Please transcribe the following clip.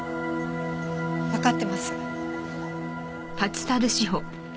わかってます。